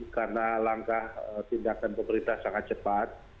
karena langkah tindakan pemerintah sangat cepat